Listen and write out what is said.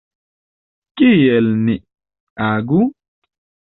Kiel ni agu?